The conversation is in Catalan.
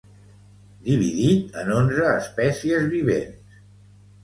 Dividit en onze espècies vivents.